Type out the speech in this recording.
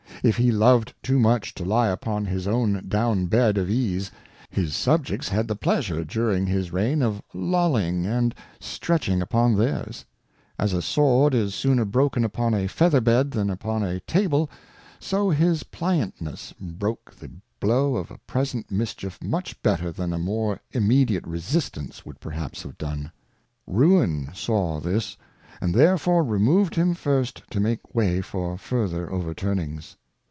If he loved too much to lie upon his own Down bed of Ease, his Subjects had the Pleasure, during his Reign, of lolling and stretching upon theirs. As a Sword is sooner broken upon a Feather bed than upon a Table, so his Pliantness broke the blow of a present Mischief much better than a more immediate Resistance would perhaps have done. Ruin saw this, and therefore removed him first to make way for further Overturnings.